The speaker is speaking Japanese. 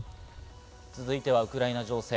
続いてはウクライナ情勢。